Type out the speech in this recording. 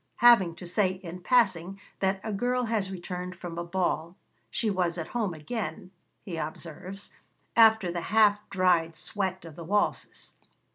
Having to say in passing that a girl has returned from a ball, 'she was at home again,' he observes, 'after the half dried sweat of the waltzes.'